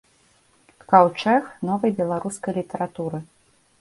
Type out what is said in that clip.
Каўчэг новай беларускай літаратуры.